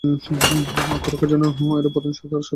আত্মরক্ষার জন্য এরা প্রধানত সাঁতার ও দৌড়ের উপর নির্ভরশীল।